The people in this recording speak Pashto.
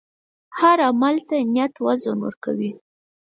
هر عمل ته نیت وزن ورکوي.